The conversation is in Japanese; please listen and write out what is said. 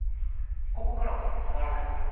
ここからは触らないんですか？